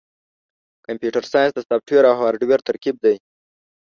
کمپیوټر ساینس د سافټویر او هارډویر ترکیب دی.